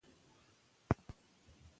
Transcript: د ادب په چوکاټ کې یې پوره کړو.